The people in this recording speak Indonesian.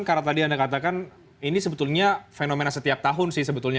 karena tadi anda katakan ini sebetulnya fenomena setiap tahun sih sebetulnya